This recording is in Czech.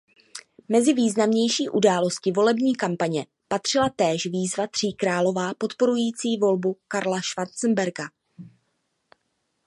Mezi významnější události volební kampaně patřila též Výzva tříkrálová podporující volbu Karla Schwarzenberga.